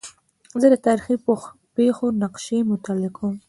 زه د تاریخي پېښو نقشې مطالعه کوم.